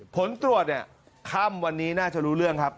ผลตรวจเนี่ยค่ำวันนี้น่าจะรู้เรื่องครับ